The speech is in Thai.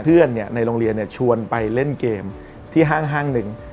ในโรงเรียนชวนไปเล่นเกมที่ห้างหนึ่ง